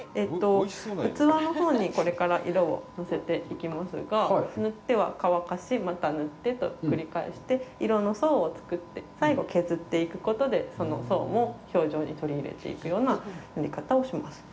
器のほうに、これから色をのせていきますが、塗っては乾かし、また塗ってと、繰り返して、色の層を作って、最後、削っていくことでその層も表情に取り入れていくような塗り方をします。